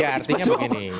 ya artinya begini